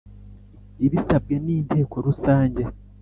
ibisabwe n Inteko Rusange